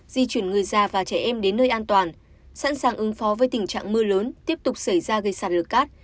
di chuyển người già và trẻ em đến nơi an toàn sẵn sàng ứng phó với tình trạng mưa lớn tiếp tục xảy ra gây sạt lở cát